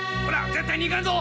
絶対にいかんぞ！